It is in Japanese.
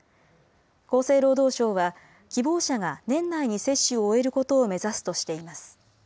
厚生労働省は希望者が年内に接種を終えることを目指すとしています。